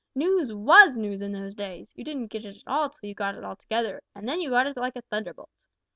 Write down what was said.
News was news in those days! You didn't get it at all till you got it altogether, and then you got it like a thunderbolt.